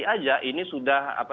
saja ini sudah